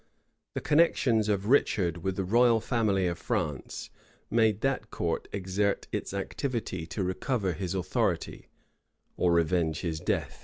The connections of Richard with the royal family of France, made that court exert its activity to recover his authority, or revenge his death.